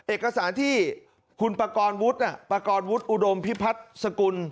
เอกสารที่คุณประกอบวุฒิประกอบวุฒิอุดมพิพัฒน์สกุล